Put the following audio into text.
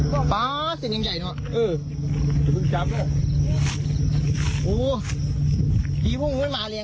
พอดีเลย